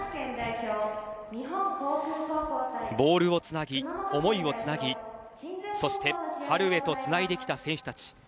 ボールをつなぎ思いをつなぎそして春へとつないできた選手たち。